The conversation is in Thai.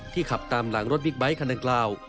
ขับตามหลังรถบิ๊กไบท์คันดังกล่าว